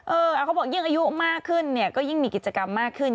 เขาบอกยิ่งอายุมากขึ้นเนี่ยก็ยิ่งมีกิจกรรมมากขึ้น